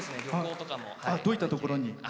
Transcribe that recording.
どういったところに？